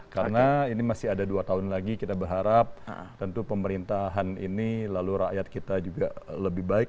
karena ini masih ada dua tahun lagi kita berharap tentu pemerintahan ini lalu rakyat kita juga lebih baik